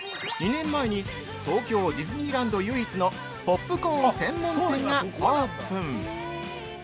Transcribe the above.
２年前に東京ディズニーランド唯一のポップコーン専門店がオープン。